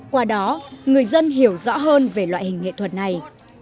qua đó người dân hiểu rõ hơn về loại hình nghệ thuật này